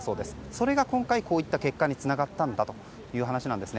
それが今回、こういった結果につながったんだという話です。